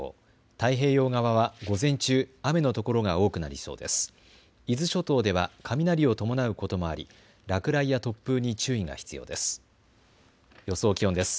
太平洋側は午前中、雨の所が多くなりそうです。